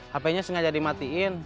hape nya sengaja di matiin